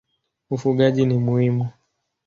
Ufugaji ni muhimu.